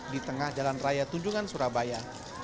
di tengah jalan raya tunjungan surabaya